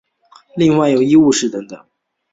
另外有医务室等等。